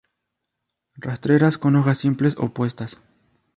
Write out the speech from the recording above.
Rastreras con hojas simples, opuestas.